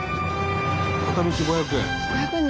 片道５００円１人？